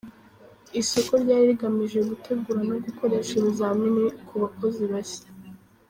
Isoko ryari rigamije gutegura no gukoresha ibizamini ku bakozi bashya.